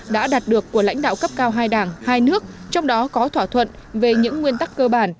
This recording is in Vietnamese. đã đạt được của lãnh đạo cấp cao hai đảng hai nước trong đó có thỏa thuận về những nguyên tắc cơ bản